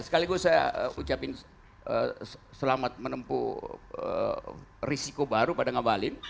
sekaligus saya ucapin selamat menempuh risiko baru pada ngabalin